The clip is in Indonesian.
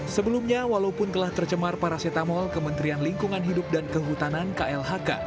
sebelumnya walaupun telah tercemar paracetamol kementerian lingkungan hidup dan kehutanan klhk